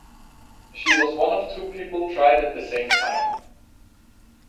She was one of two people tried at the same time.